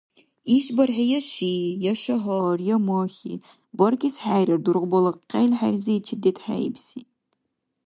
ИшбархӀи я ши, я шагьар, я махьи баргес хӀейрар дургъбала къел-хӀерзи чедетхӀеибси.